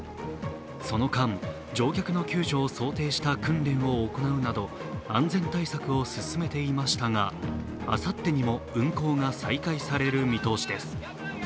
その間、乗客の救助を想定した訓練を行うなど安全対策を進めていましたが、あさってにも運航が再開される見通しです。